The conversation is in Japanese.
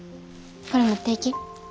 これ持っていき。